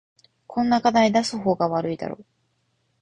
こんな課題出す方が悪いだろ